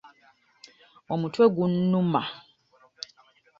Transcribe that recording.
Omutwe gunnuma